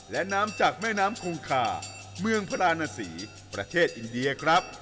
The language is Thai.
และน้ำจากแม่น้ำคงคาเมืองพระราณศรีประเทศอินเดียครับ